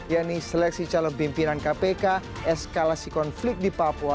yakni seleksi calon pimpinan kpk eskalasi konflik di papua